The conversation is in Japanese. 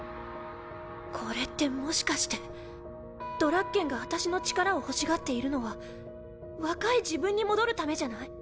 これってもしかしてドラッケンが私の力を欲しがっているのは若い自分に戻るためじゃない？